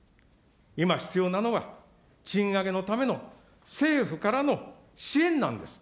今必要なのは、賃上げのための、政府からの支援なんです。